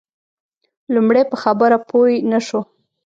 لومړی په خبره پوی نه شو.